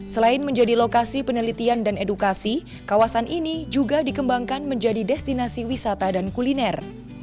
selain menjadi lokasi penelitian dan edukasi kawasan ini juga dikembangkan menjadi destinasi wisata dan kuliner